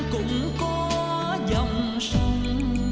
cũng có dòng sông